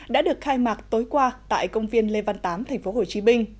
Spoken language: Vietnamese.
đã được khai mạc tối qua tại công viên lê văn tám tp hcm